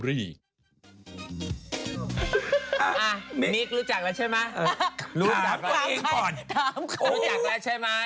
รู้จักแล้วใช่ไหม